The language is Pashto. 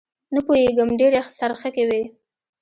نه پوېېږم ډېرې څرخکې وې.